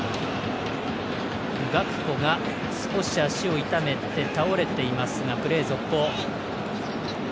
ガクポが少し足を痛めて倒れていますがプレー続行。